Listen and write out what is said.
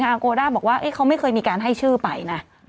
โกด้าบอกว่าเขาไม่เคยมีการให้ชื่อไปนะ